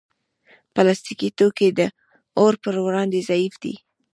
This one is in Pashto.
پلاستيکي توکي د اور پر وړاندې ضعیف دي.